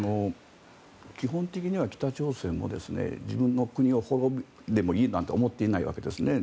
基本的には北朝鮮も自分の国が滅んでもいいなんて思ってないわけですね。